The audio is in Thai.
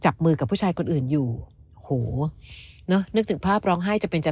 จับมือกับผู้ชายคนอื่นอยู่โหเนอะนึกถึงภาพร้องไห้จะเป็นจะ